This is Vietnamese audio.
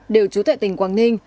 đều trú tại tỉnh quảng ninh